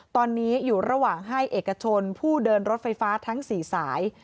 ตอนนี้อยู่ระหว่างให้เอกชนผู้เดินรถไฟฟ้าทั้ง๔สาย